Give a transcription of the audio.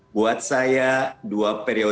buat saya dua ppr saya tidak mau berpengaruh